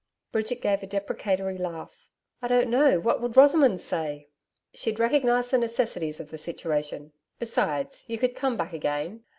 Bridget gave a deprecatory laugh. 'I don't know what Rosamond would say.' 'She'd recognise the necessities of the situation. Besides, you could come back again.'